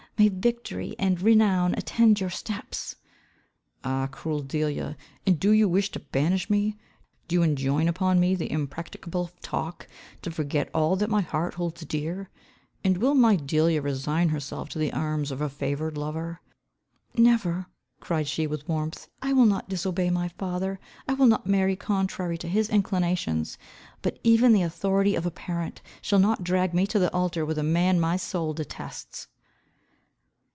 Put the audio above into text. May victory and renown attend your steps!" "Ah cruel Delia, and do you wish to banish me? Do you enjoin upon me the impracticable talk, to forget all that my heart holds dear? And will my Delia resign herself to the arms of a more favoured lover?" "Never," cried she with warmth. "I will not disobey my father. I will not marry contrary to his inclinations. But even the authority of a parent shall not drag me to the altar with a man my soul detests."